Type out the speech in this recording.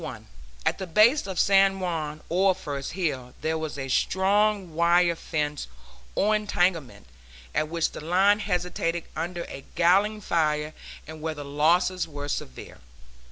At the base of San Juan, or first hill, there was a strong wire fence, or entanglement, at which the line hesitated under a galling fire, and where the losses were severe.